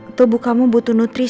namanya kamu mau tahan tangan kamu